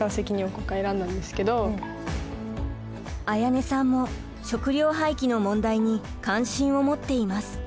絢音さんも食料廃棄の問題に関心を持っています。